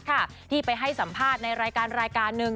ที่เป็นไปให้สัมภาษณ์ในรายการหนึ่ง